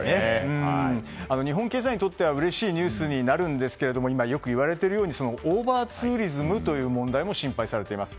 日本経済にとってうれしいニュースになるんですがオーバーツーリズムという問題も心配されています。